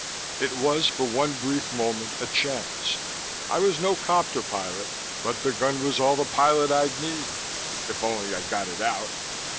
It was, for one brief moment, a chance. I was no copter pilot, but the gun was all the pilot I'd need if only I got it out.